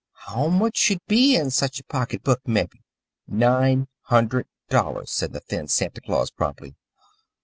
"How much should be in such a pocketbook, mebby?" "Nine hundred dollars," said the thin Santa Claus promptly.